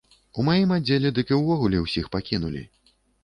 У маім аддзеле дык і ўвогуле ўсіх пакінулі.